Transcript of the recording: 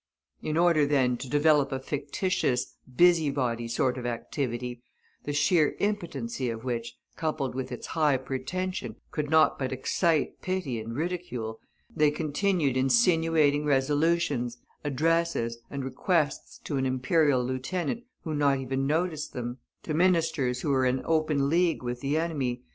In order, then, to develop a fictitious, busy body sort of activity, the sheer impotency of which, coupled with its high pretension, could not but excite pity and ridicule, they continued insinuating resolutions, addresses, and requests to an Imperial Lieutenant, who not even noticed them; to ministers who were in open league with the enemy.